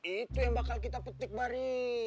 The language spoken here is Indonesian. itu yang bakal kita petik bari